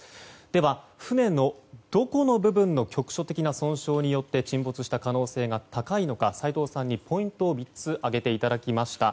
では、船のどこの部分の局所的な損傷によって沈没した可能性が高いのか斎藤さんにポイントを３つ挙げていただきました。